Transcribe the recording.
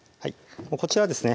こちらですね